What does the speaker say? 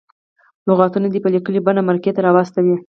لغتونه دې په لیکلې بڼه مرکې ته راواستوي.